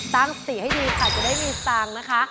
ตั้ง๔ให้ดีใครจะได้มีตังค์นะคะ